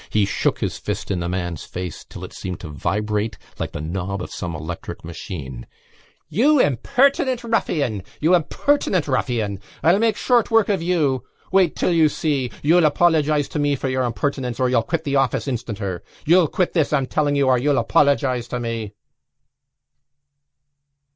He shook his fist in the man's face till it seemed to vibrate like the knob of some electric machine: "You impertinent ruffian! You impertinent ruffian! I'll make short work of you! Wait till you see! You'll apologise to me for your impertinence or you'll quit the office instanter! You'll quit this, I'm telling you, or you'll apologise to me!"